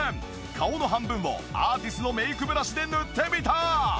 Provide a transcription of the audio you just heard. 顔の半分をアーティスのメイクブラシで塗ってみた！